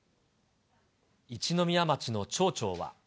一宮町の町長は。